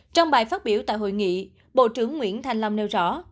trong bài phát biểu tại hội nghị bộ trưởng nguyễn thành long nêu rõ